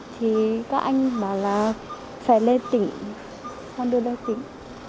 thì có anh bảo là phải lên tỉnh con đưa lên tỉnh